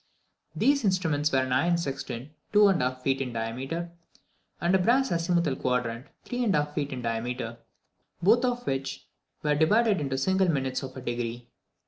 These instruments were an iron sextant, 2½ feet in diameter, and a brass azimuthal quadrant 3½ feet in diameter, both of which were divided into single minutes of a degree.